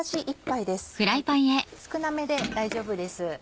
少なめで大丈夫です。